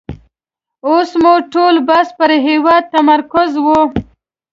اوس مو ټول بحث پر هېواد متمرکز وو.